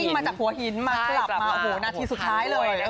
มาจากหัวหินมากลับมาโอ้โหนาทีสุดท้ายเลย